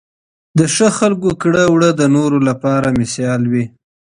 د ښه خلکو کړه وړه د نورو لپاره بېلګه وي.